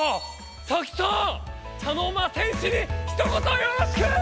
サキさん茶の間戦士にひと言よろしく！